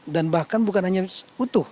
dan bahkan bukan hanya utuh